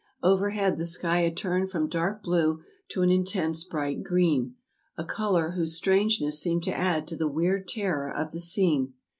Over head the sky had turned from dark blue to an intense bright green, a color whose strangeness seemed to add to the weird terror of the scene.